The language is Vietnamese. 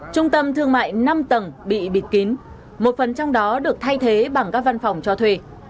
trung tâm thương mại năm tầng bị bịt kín một phần trong đó được thay thế bằng các văn phòng cho thuê